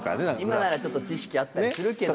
今ならちょっと知識あったりするけども。